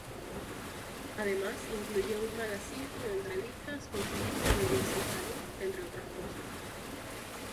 Además, incluye un magacín con entrevistas, consejos de belleza y salud, entre otras cosas.